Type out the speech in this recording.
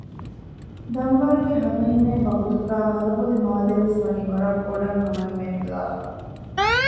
ދަންވަރުގެ ހަމަ ހިމޭން ވަގުތުގައި ހަލަބޮލި މާލެ ވެސް ވަނީ ވަރައް ބޮޑައް ހަމަހިމޭނެ ވެލާފަ